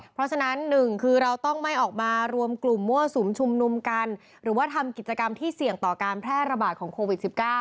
เพราะฉะนั้นหนึ่งคือเราต้องไม่ออกมารวมกลุ่มมั่วสุมชุมนุมกันหรือว่าทำกิจกรรมที่เสี่ยงต่อการแพร่ระบาดของโควิด๑๙